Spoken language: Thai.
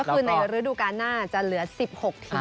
ก็คือในฤดูการหน้าจะเหลือ๑๖ทีม